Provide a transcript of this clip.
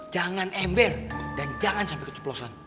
jangan ember dan jangan sampai kecoplosan